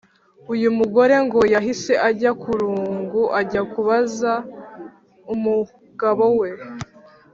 Uyu mugore ngo yahise ajya karungu ajya kubaza umugabo we